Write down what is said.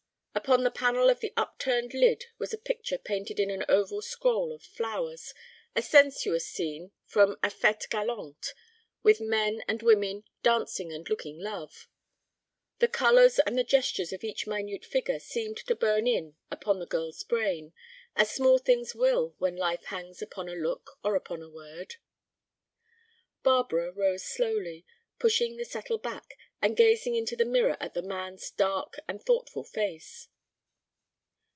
Upon the panel of the upturned lid was a picture painted in an oval scroll of flowers, a sensuous scene from a fête galante with men and women dancing and looking love. The colors and the gestures of each minute figure seemed to burn in upon the girl's brain, as small things will when life hangs upon a look or upon a word. Barbara rose slowly, pushing the settle back, and gazing into the mirror at the man's dark and thoughtful face.